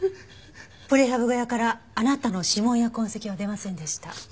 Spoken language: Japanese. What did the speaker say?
プレハブ小屋からあなたの指紋や痕跡は出ませんでした。